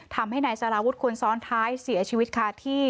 ทำให้นายสารวุฒิคนซ้อนท้ายเสียชีวิตคาที่